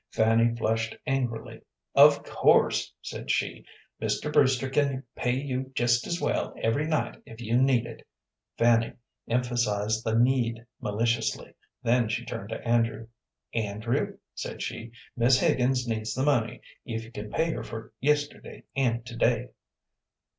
Fanny flushed angrily. "Of course," said she, "Mr. Brewster can pay you just as well every night if you need it." Fanny emphasized the "need" maliciously. Then she turned to Andrew. "Andrew," said she, "Miss Higgins needs the money, if you can pay her for yesterday and to day."